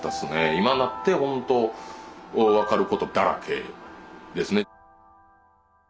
今になって本当分かることだらけですね。